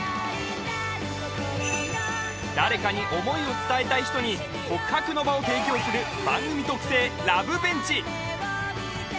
誰かに思いを伝えたい人に告白の場を提供する番組特製ラブベンチ